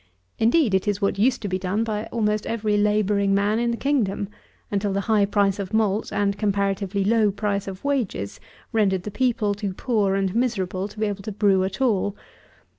Indeed, it is what used to be done by almost every labouring man in the kingdom, until the high price of malt and comparatively low price of wages rendered the people too poor and miserable to be able to brew at all.